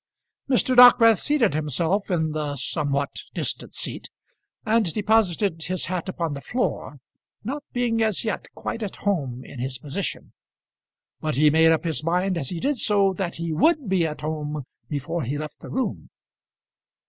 Mr. Dockwrath seated himself in the somewhat distant seat, and deposited his hat upon the floor, not being as yet quite at home in his position; but he made up his mind as he did so that he would be at home before he left the room.